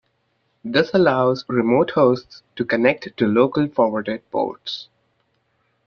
This allows remote hosts to connect to local forwarded ports.